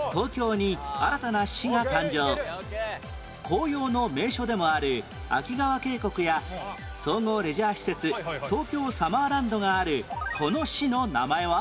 紅葉の名所でもある秋川渓谷や総合レジャー施設東京サマーランドがあるこの市の名前は？